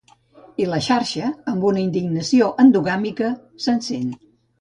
I la xarxa –amb una indignació endogàmica– s’encén.